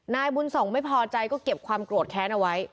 นายบุญส่งไม่พอใจก็เก็บความโกรธแค้นเอาไว้